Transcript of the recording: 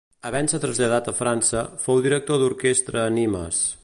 Havent-se traslladat a França, fou director d'orquestra a Nimes.